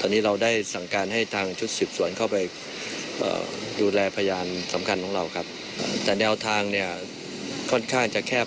ฟังเสียงตำรวจค่ะ